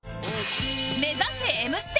目指せ『Ｍ ステ』